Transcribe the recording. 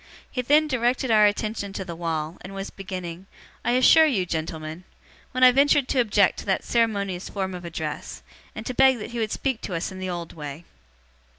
He then directed our attention to the wall, and was beginning, 'I assure you, gentlemen,' when I ventured to object to that ceremonious form of address, and to beg that he would speak to us in the old way.